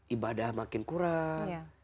ibadah makin kurang